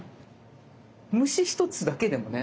虫ひとつだけでもね